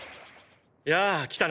やあ来たね。